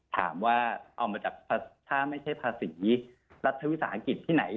ถามว่าเอามาจากถ้าไม่ใช่ภาษีรัฐวิสาหกิจที่ไหน